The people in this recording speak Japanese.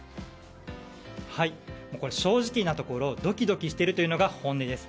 正直なところドキドキしているというのが本音です。